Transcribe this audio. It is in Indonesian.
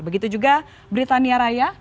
begitu juga britania raya